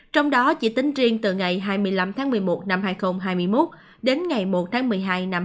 trong đó chỉ tính riêng từ ngày hai mươi năm tháng một mươi một năm hai nghìn hai mươi một đến ngày một tháng một mươi hai năm hai nghìn hai mươi